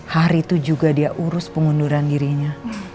hari itu juga dia urus pengunduran dirinya